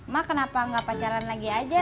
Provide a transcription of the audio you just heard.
mak kenapa nggak pacaran lagi aja